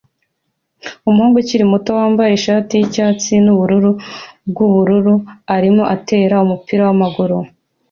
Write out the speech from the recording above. Umuhungu ukiri muto wambaye ishati yicyatsi nubururu bwubururu arimo atera umupira wamaguru